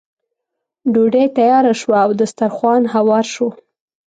ډوډۍ تیاره شوه او دسترخوان هوار شو.